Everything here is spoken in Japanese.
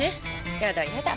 やだやだ。